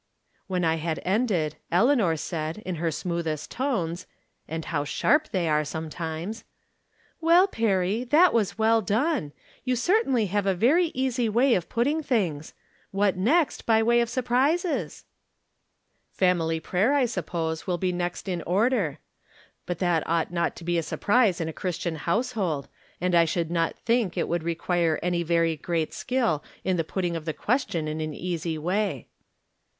When I had ended, Eleanor said, in her smoothest tones (and how sharp they are, some times) :" Well, Perry, that was well done. You cer tainly have a very easy way of putting things. What next, by way of surprises ?"" Family prayer, I suppose, will be next in or der. But that ought not to be a surprise in a Christian household, and I should not think it would require any very great skill in the putting of the question in an easy way."